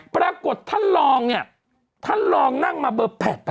ปรากฏท่านลองเนี่ยท่านลองนั่งมาเบอร์แพท